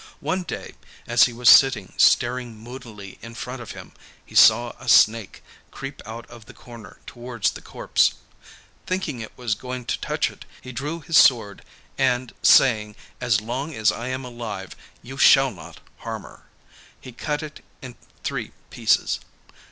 One day as he was sitting staring moodily in front of him, he saw a snake creep out of the corner towards the corpse. Thinking it was going to touch it, he drew his sword and saying, 'As long as I am alive you shall not harm her,' he cut it in three pieces.